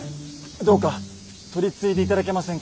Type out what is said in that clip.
どうか取り次いで頂けませんか？